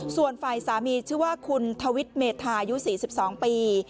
ส่วนฝ่ายสามีชื่อว่าคุณทวิทย์เมธาอายุ๔๒ปี